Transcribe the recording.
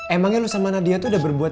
emangnya lu sama nadia tuh udah berbuat